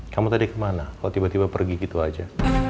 kamu tadi kemana kalau tiba tiba pergi gitu aja